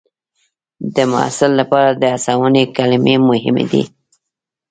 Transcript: د محصل لپاره د هڅونې کلمې مهمې دي.